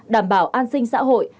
đảm bảo an sinh xã hội